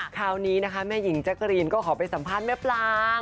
คราวนี้นะคะแม่หญิงแจ๊กกะรีนก็ขอไปสัมภาษณ์แม่ปลาง